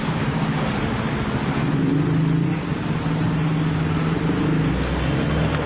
นั่นคือของคุณที่ได้ใส่ในแขนมิตรกันเลยเป็นน่ะค่ะ